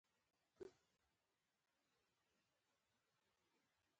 د عربي سندرو لوړ اواز تر موږ راورسېد.